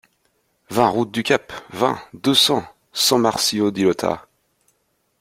vingt route du Cap, vingt, deux cents, San-Martino-di-Lota